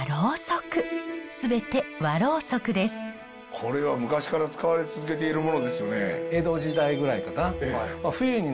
これは昔から使われ続けているものですよね。